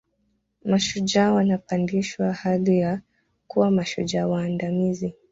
Mashujaa wanapandishwa hadhi ya kuwa mashujaa waandamizi